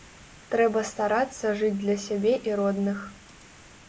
Трэба старацца жыць для сябе і родных.